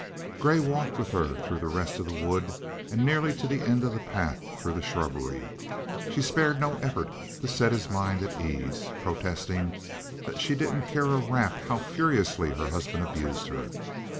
Grey walked with her through the rest of the wood and nearly to the end of the path through the shrubbery. She spared no effort to set his mind at ease, protesting that she did not care a rap how furiously her husband abused her.